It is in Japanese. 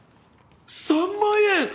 ３万円！